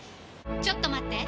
ちょっと待って！